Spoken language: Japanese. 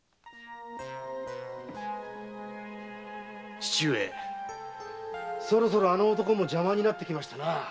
父上そろそろあの男も邪魔になってきましたな。